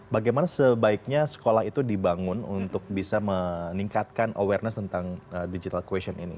bagaimana sebaiknya sekolah itu dibangun untuk bisa meningkatkan awareness tentang digital question ini